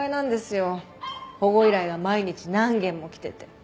保護依頼が毎日何件も来てて。